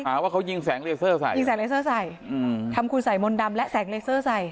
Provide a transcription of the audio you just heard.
ว่าเขายิงแสงเลเซอร์ใส่ยิงแกงเลเซอร์ใส่อืมทำคุณใส่มนต์ดำและแสงเลเซอร์ใส่